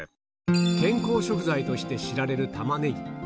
健康食材として知られるタマネギ。